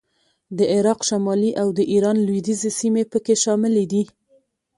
د عراق شمالي او د ایران لوېدیځې سیمې په کې شاملې دي